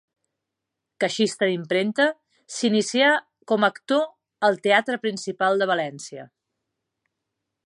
Caixista d'impremta, s'inicià com a actor al Teatre Principal de València.